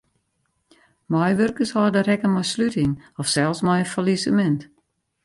Meiwurkers hâlde rekken mei sluting of sels mei in fallisemint.